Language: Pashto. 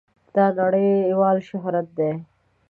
دا نړېوال شهرت دی.